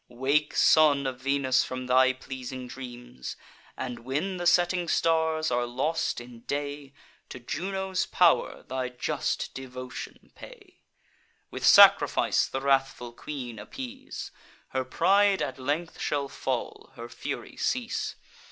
Wake, son of Venus, from thy pleasing dreams; And, when the setting stars are lost in day, To Juno's pow'r thy just devotion pay; With sacrifice the wrathful queen appease: Her pride at length shall fall, her fury cease.